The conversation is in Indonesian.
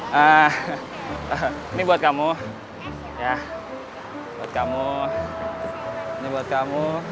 saya mau rumah lepas itu